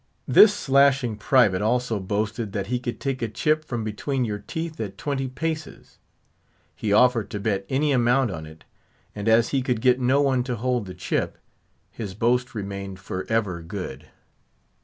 This slashing private also boasted that he could take a chip from between your teeth at twenty paces; he offered to bet any amount on it; and as he could get no one to hold the chip, his boast remained for ever good.